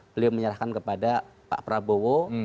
beliau menyerahkan kepada pak prabowo